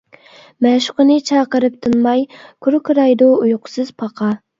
مەشۇقىنى چاقىرىپ تىنماي، كۇركىرايدۇ ئۇيقۇسىز پاقا.